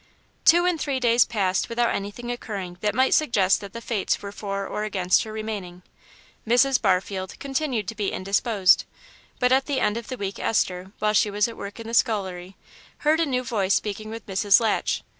Two and three days passed without anything occurring that might suggest that the Fates were for or against her remaining. Mrs. Barfield continued to be indisposed, but at the end of the week Esther, while she was at work in the scullery, heard a new voice speaking with Mrs. Latch.